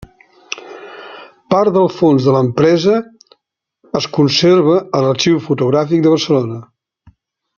Part del fons de l'empresa, es conserva a l'Arxiu Fotogràfic de Barcelona.